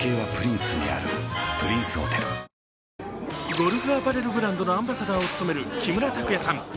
ゴルフウエアブランドのアンバサダーを務める木村拓哉さん。